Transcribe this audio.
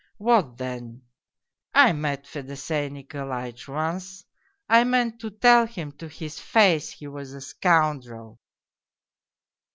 "" What then ! I met Fedosey Nikolaitch once, I meant to tell him to his face he was a scoundrel."